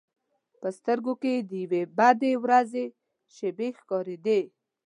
په سترګو کې یې د یوې بدې ورځې شېبې ښکارېدې.